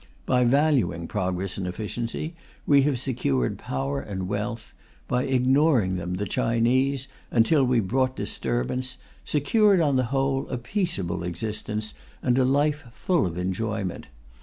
By valuing progress and efficiency, we have secured power and wealth; by ignoring them, the Chinese, until we brought disturbance, secured on the whole a peaceable existence and a life full of enjoyment.